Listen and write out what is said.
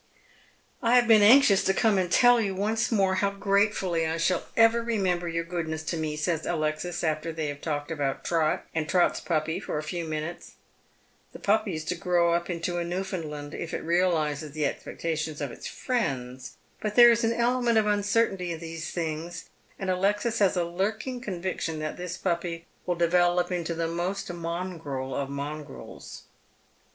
" I have been anxious to come and tell you once more how gratefully I shall ever remember your goodness to me," saj's Alexis, after they have talked about Trot and Trot's puppy for a few minutes. The puppy is to grow up into a Newfoundland if it realizes the expectations of its friends, but there is an element of uncertainty in these things, and Alexis Las a lurking convic tion that this puppy will develop into the most mongrel of mongrels.